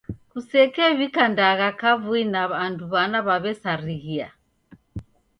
Kusekew'ika ndagha kavui na andu w'ana w'aw'esarighia.